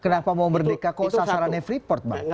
kenapa mau merdeka kok sasarannya pripot pak